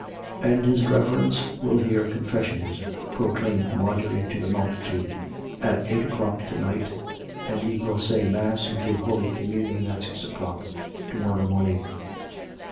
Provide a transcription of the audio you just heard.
" And his Reverence will hear confessions," proclaimed Marjorie to the multitude, "at eight o'clock to night; and he will say mass and give holy communion at six o'clock to morrow morning."